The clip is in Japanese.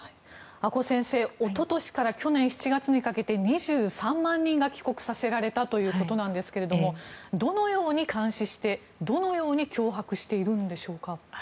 阿古先生一昨年から去年７月にかけて２３万人が帰国させられたということですがどのように監視して、どのように脅迫しているんでしょうか。